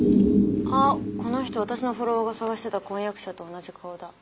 あっこの人私のフォロワーが捜してた婚約者と同じ顔だ。